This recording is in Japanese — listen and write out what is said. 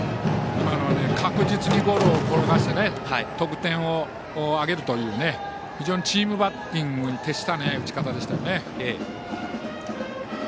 今のは確実にゴロを転がして得点を挙げるという、非常にチームバッティングに徹した打ち方でしたね。